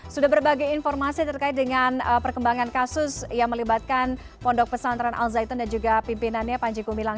sudah berbagai informasi terkait dengan perkembangan kasus yang melibatkan pondok pesantren al zaitun dan juga pimpinannya panji gumilang